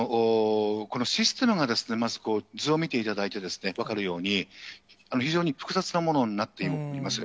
このシステムが、まず図を見ていただいて分かるように、非常に複雑なものになっています。